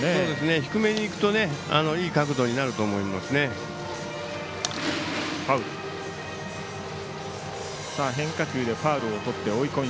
低めにいくといい角度になると思いますね。